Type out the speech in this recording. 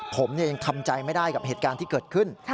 ผมยังทำใจไม่ได้กับเหตุการณ์ที่เกิดขึ้น